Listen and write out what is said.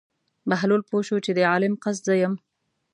بهلول پوه شو چې د عالم قصد زه یم.